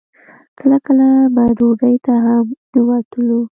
کله کله به ډوډۍ ته هم نه وتلو.